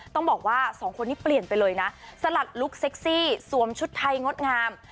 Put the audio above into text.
ต้องบอกว่าสองคนนี้เปลี่ยนไปเลยนะสลัดลุคเซ็กซี่สวมชุดไทยงดงาม